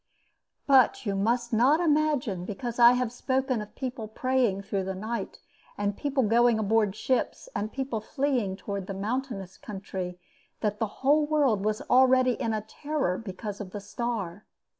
But you must not imagine because I have spoken of people praying through the night and people going aboard ships and people fleeing towards mountainous country that the whole world was already in a terror because of the star.